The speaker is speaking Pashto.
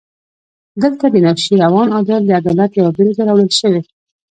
دلته د نوشیروان عادل د عدالت یوه بېلګه راوړل شوې.